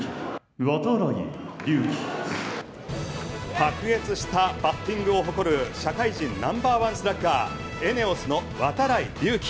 卓越したバッティングを誇る社会人ナンバーワンスラッガーＥＮＥＯＳの度会隆輝。